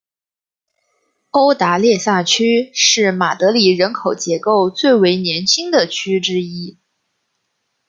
欧达列萨区是马德里人口结构最为年轻的区之一。